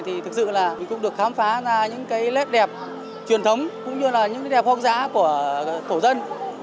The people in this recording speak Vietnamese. thì thực sự là mình cũng được khám phá ra những cái lét đẹp truyền thống cũng như là những cái đẹp hoang dã của thổ dân